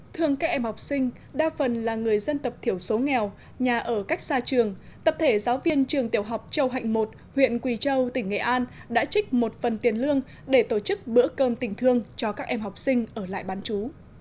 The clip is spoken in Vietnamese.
thương các em học sinh đa phần là người dân tập thiểu số nghèo nhà ở cách xa trường tập thể giáo viên trường tiểu học châu hạnh một huyện quỳ châu tỉnh nghệ an đã trích một phần tiền lương để tổ chức bữa cơm tình thương cho các em học sinh ở lại bán chú